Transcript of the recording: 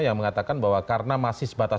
yang mengatakan bahwa karena masih sebatas